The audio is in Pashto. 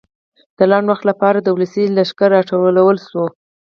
د لنډ وخت لپاره د ولسي لښکر راټولول شو وو.